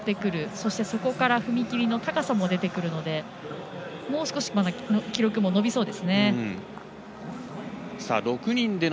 そして、そこから踏み切りの高さが出てくるのでもう少し記録も伸びそうですね。